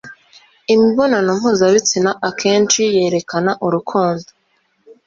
Imibonano mpuzabitsina akenshi yerekana urukundo